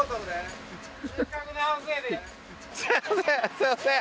すいません！